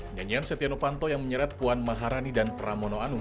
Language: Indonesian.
nyanyian setia novanto yang menyeret puan maharani dan pramono anung